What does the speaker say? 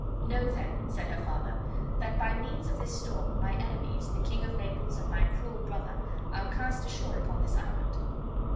"Know then," said her father, ""that by means of this storm, my enemies, the King of Naples and my cruel brother, are cast ashore upon this island."